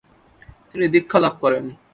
তিনি দীক্ষালাভ করেন।